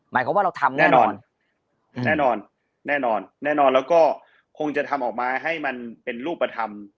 หมายความว่าเราทำแน่นอนแน่นอนแน่นอนแน่นอนแน่นอนแล้วก็คงจะทำออกมาให้มันเป็นรูปธรรม